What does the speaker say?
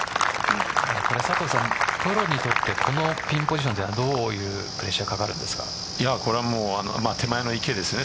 これ佐藤さん、プロにとってこのピンポジションはどういうプレッシャーがこれは手前の池ですね。